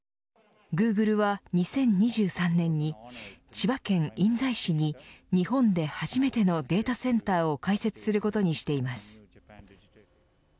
グーグルは２０２３年に千葉県印西市に日本で初めてのデータセンターを開設することにしています。